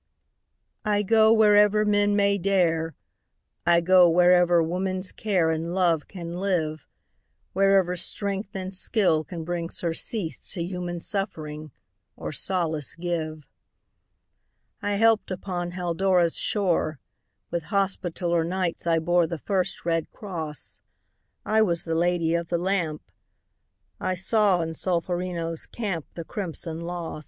I go wherever men may dare, I go wherever woman's care And love can live, Wherever strength and skill can bring Surcease to human suffering, Or solace give. I helped upon Haldora's shore; With Hospitaller Knights I bore The first red cross; I was the Lady of the Lamp; I saw in Solferino's camp The crimson loss.